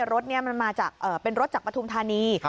รถนี้มันมาจากเป็นรถจากปฐุมธานี